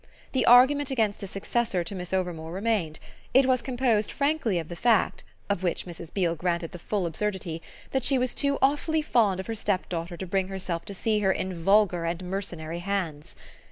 The argument against a successor to Miss Overmore remained: it was composed frankly of the fact, of which Mrs. Beale granted the full absurdity, that she was too awfully fond of her stepdaughter to bring herself to see her in vulgar and mercenary hands.